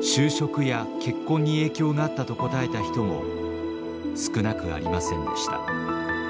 就職や結婚に影響があったと答えた人も少なくありませんでした。